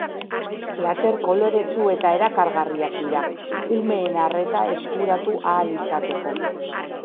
Plater koloretsu eta erakargarriak dira, umeen arreta eskuratu ahal izateko.